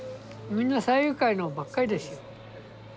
みんな山友会のばっかりですよ。